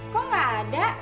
kok gak ada